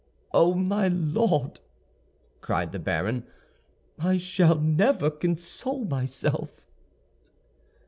"Oh, my Lord!" cried the baron, "I shall never console myself."